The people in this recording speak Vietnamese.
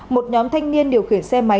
một nhóm thanh niên điều khiển xe máy